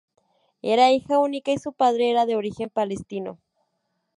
Era hija única y su padre era de origen palestino.